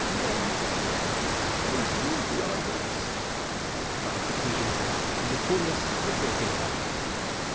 "Then indeed we are lost!" cried the queen, in the fullness of a broken heart.